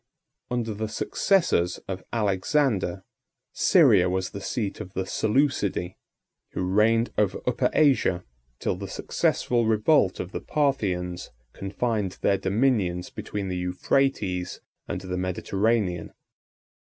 ] Under the successors of Alexander, Syria was the seat of the Seleucidæ, who reigned over Upper Asia, till the successful revolt of the Parthians confined their dominions between the Euphrates and the Mediterranean.